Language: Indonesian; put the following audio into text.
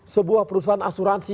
sebuah perusahaan asuransi